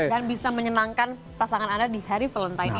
dan bisa menyenangkan pasangan anda di hari valentine ini